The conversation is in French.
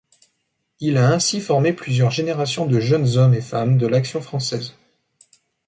Il a ainsi formé plusieurs générations de jeunes hommes et femmes de l'Action française.